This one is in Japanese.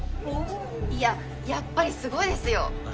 いややっぱりすごいですよ！